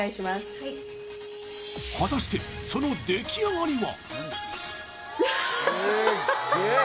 はい果たしてその出来上がりは？